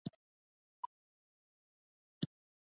د خنجر زور ډېر شو او زه مجبوره شوم